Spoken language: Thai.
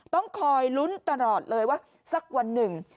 ต้องคอยลุ้นตลอดเลยว่าสักวันหนึ่ง